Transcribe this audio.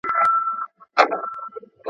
چې د معلمۍ ډګر ته داخل شو